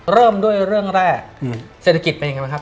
เริ่มด้วยเรื่องแรกเศรษฐกิจเป็นยังไงบ้างครับ